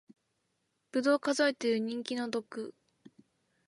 ぶどう数えてる人気の毒